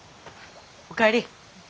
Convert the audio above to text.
お帰り。